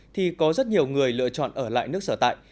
thì có rất nhiều người lựa chọn ở lại nước sở tại